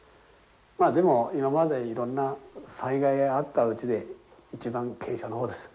まあでも今までいろんな災害があったうちで一番軽傷の方です。